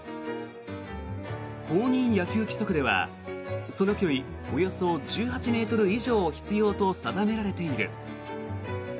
公認野球規則ではその距離およそ１８ｍ以上必要と定められている。